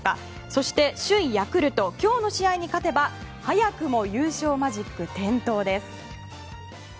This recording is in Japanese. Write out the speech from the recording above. そして首位ヤクルト今日の試合に勝てば早くも優勝マジック点灯です。